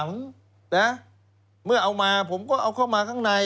นะเมื่อเอามาผมก็เอาเข้ามาข้างใน